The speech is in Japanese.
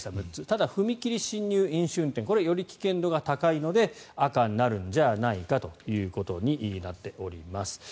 ただ、踏切進入、飲酒運転これはより危険度が高いので赤になるんじゃないかということになっております。